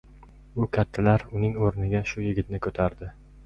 U kattalar uning o‘rniga shu yigitni ko‘tardi.